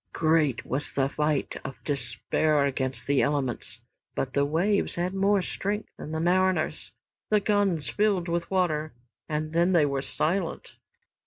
Great was that fight of despair against the elements. But the waves had more strength than the mariners. The guns filled with water and then they were silent.